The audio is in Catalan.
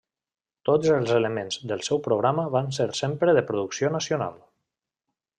Tots els elements del seu programa van ser sempre de producció nacional.